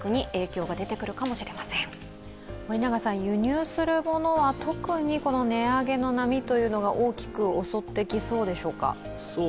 輸入するものは特に値上げの波が大きく襲ってきそうでしょうか。